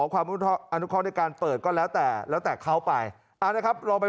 ความอนุเคราะห์ในการเปิดก็แล้วแต่แล้วแต่เขาไปนะครับลองไป